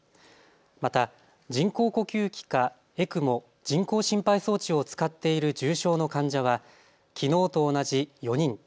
また人工呼吸器かＥＣＭＯ・人工心肺装置を使っている重症の患者はきのうと同じ４人。